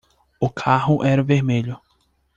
O carro era vermelho.